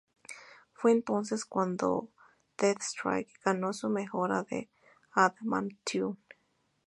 Fue entonces cuando Deathstrike ganó su mejora de adamantium.